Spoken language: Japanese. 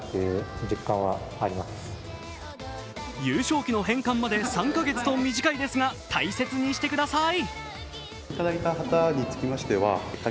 優勝旗の返還まで３か月と短いですが、大切にしてください。